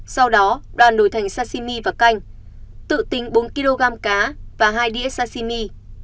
sau đó đoàn đổi thành sashimi và canh tự tính bốn kg cá và hai đĩa sashimi